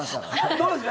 どうですか？